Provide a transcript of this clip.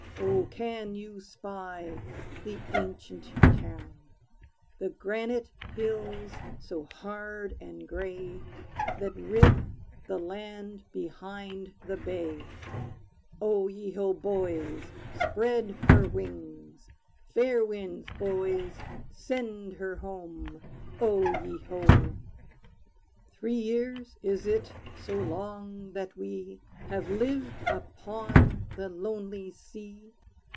Oh, can you spy the ancient town, The granite hills so hard and gray, That rib the land behind the bay? O ye ho, boys! Spread her wings! Fair winds, boys: send her home! O ye ho! Three years? Is it so long that we Have lived upon the lonely sea?